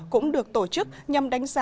cũng được tổ chức nhằm đánh giá